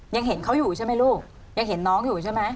ยังเห็นเขาอยู่ใช่ไหมลูกยังเห็นน้องอยู่ใช่ไหม